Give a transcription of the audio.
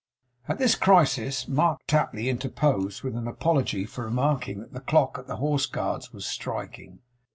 At this crisis Mark Tapley interposed, with an apology for remarking that the clock at the Horse Guards was striking.